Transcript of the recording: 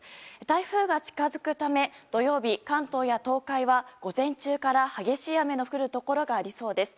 台風が近づくため土曜日、関東や東海は午前中から激しい雨の降るところがありそうです。